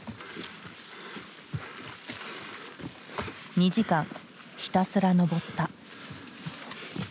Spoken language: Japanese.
２時間ひたすら登った。